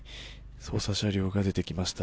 捜査車両が出てきました。